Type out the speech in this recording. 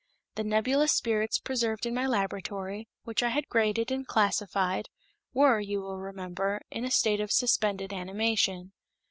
The nebulous spirits preserved in my laboratory, which I had graded and classified, were, you will remember, in a state of suspended animation.